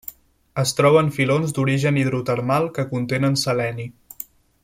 Es troba en filons d'origen hidrotermal que contenen seleni.